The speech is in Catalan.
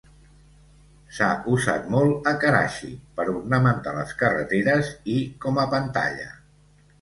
S'ha usat molt a Karachi per ornamentar les carreteres i com a pantalla.